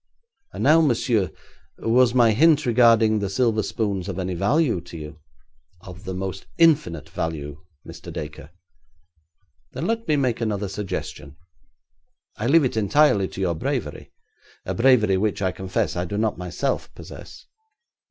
And now, monsieur, was my hint regarding the silver spoons of any value to you?' 'Of the most infinite value, Mr. Dacre.' 'Then let me make another suggestion. I leave it entirely to your bravery; a bravery which, I confess, I do not myself possess.